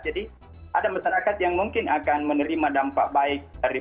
jadi ada masyarakat yang mungkin akan menerima dampak baik dari keadaan melino